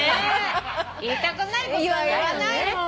言いたくないことは言わないもん。